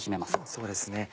そうですね。